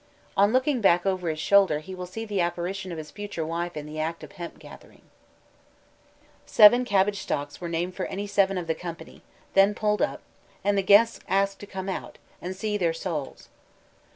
On looking back over his shoulder he will see the apparition of his future wife in the act of gathering hemp. Seven cabbage stalks were named for any seven of the company, then pulled up, and the guests asked to come out, and "see their sowls."